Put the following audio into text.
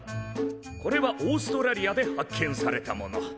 これはオーストラリアで発見されたもの。